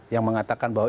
yang mengatakan bahwa